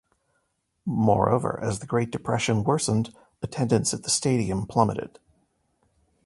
Moreover, as the Great Depression worsened, attendance at the stadium plummeted.